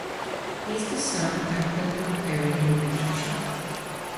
He is the son of actor Luke Perry and Rachel Sharp.